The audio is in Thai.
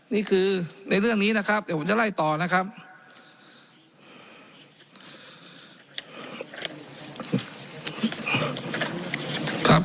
นี่คือในเรื่องนี้นะครับเดี๋ยวผมจะไล่ต่อนะครับ